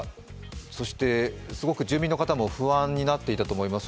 そしてすごく住民の方も不安になっていたと思います。